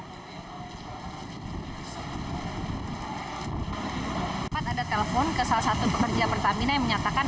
sempat ada telpon ke salah satu pekerja pertamina yang menyatakan